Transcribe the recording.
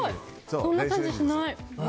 そんな感じしない！